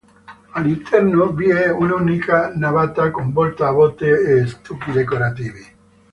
All'interno vi è un'unica navata con volta a botte e stucchi decorativi.